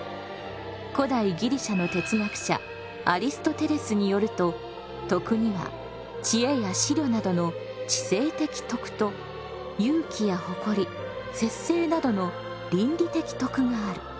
古代ギリシャの哲学者アリストテレスによると徳には知恵や思慮などの「知性的徳」と勇気や誇り節制などの「倫理的徳」がある。